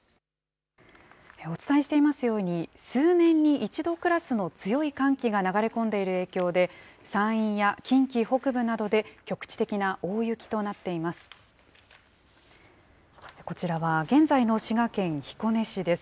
お伝えしていますように、数年に一度クラスの強い寒気が流れ込んでいる影響で、山陰や近畿北部などで、局地的な大雪となっています。